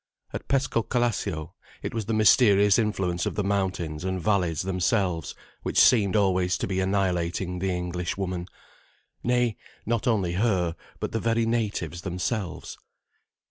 At Pescocalascio it was the mysterious influence of the mountains and valleys themselves which seemed always to be annihilating the Englishwoman: nay, not only her, but the very natives themselves.